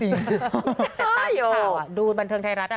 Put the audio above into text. อ่าโยตอนรับข่าวดูบันเทิงไทยรัฐน่ะ